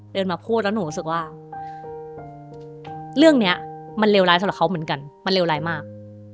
มาพูดแล้วหนูรู้สึกว่าเรื่องนี้มันเลวร้ายสำหรับเขาเหมือนกันมันเลวร้ายมาก